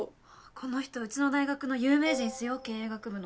この人うちの大学の有名人っすよ経営学部の。